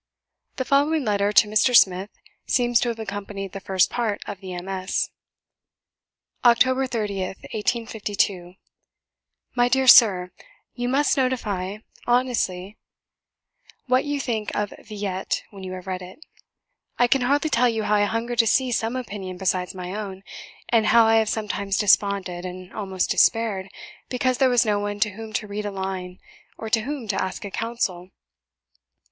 The following letter to Mr. Smith, seems to have accompanied the first part of the MS. "Oct. 30th, 1852. "My dear Sir, You must notify honestly what you think of 'Villette' when you have read it. I can hardly tell you how I hunger to hear some opinion besides my own, and how I have sometimes desponded, and almost despaired, because there was no one to whom to read a line, or of whom to ask a counsel.